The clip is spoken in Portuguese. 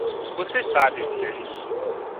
Você sabe o que é isso?